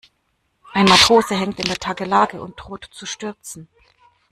Ein Matrose hängt in der Takelage und droht zu stürzen.